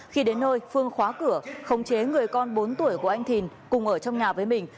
khi đến nơi phương khóa cửa khống chế người con bốn tuổi của anh thìn cùng ở trong nhà với mình